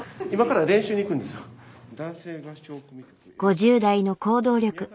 ５０代の行動力